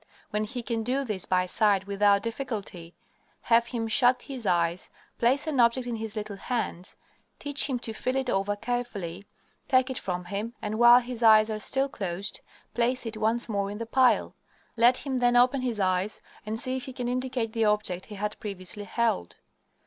When he can do this by sight without difficulty, have him shut his eyes, place an object in his little hands, teach him to feel it over carefully, take it from him, and, while his eyes are still closed, place it once more in the pile. Let him then open his eyes and see if he can indicate the object he had previously held.